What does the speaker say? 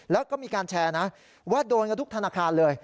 แล้วก็มีการแชร์นะว่าโดนกันทุกธนาคารเลย